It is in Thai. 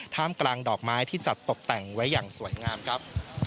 มกลางดอกไม้ที่จัดตกแต่งไว้อย่างสวยงามครับ